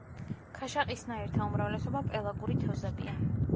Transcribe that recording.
ქაშაყისნაირთა უმრავლესობა პელაგური თევზებია.